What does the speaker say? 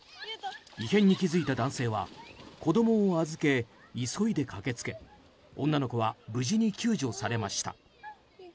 異変に気付いた男性は子供を預け、急いで駆け付け女の子は無事に救助されました。